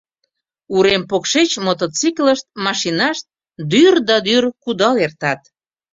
Урем покшеч мотоциклышт, машинашт дӱр да дӱр кудал эртат.